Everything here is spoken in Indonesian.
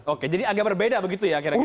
oke jadi agak berbeda begitu ya akhir akhir